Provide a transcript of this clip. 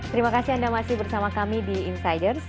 terima kasih anda masih bersama kami di insiders